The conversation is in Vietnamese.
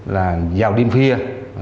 là vào đêm khuya